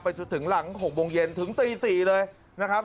จนถึงหลัง๖โมงเย็นถึงตี๔เลยนะครับ